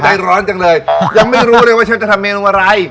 ใจร้อนจังเลยยังไม่รู้เลยว่าฉันจะทำเมนูอะไร